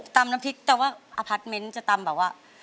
น้ำพริกแต่ว่าอพาร์ทเมนต์จะตำแบบว่า